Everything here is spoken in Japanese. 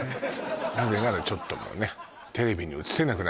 なぜならちょっともうね